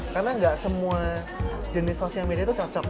karena nggak semua jenis sosial media itu cocok